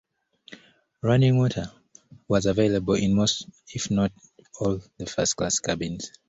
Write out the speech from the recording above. Running water was available in most if not all the first class cabins.